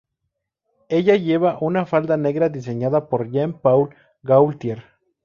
Ella lleva una falda negra diseñada por Jean Paul Gaultier.